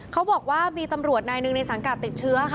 เขาบอกว่ามีตำรวจนายหนึ่งในสังกัดติดเชื้อค่ะ